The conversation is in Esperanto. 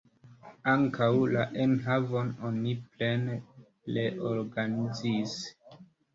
Ankaŭ la enhavon oni plene reorganizis.